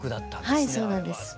はいそうなんです。